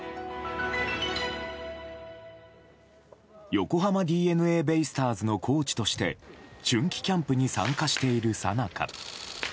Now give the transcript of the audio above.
横浜ＤｅＮＡベイスターズのコーチとして春季キャンプに参加しているさなか。